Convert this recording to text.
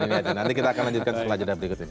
nanti kita akan lanjutkan setelah jeda berikut ini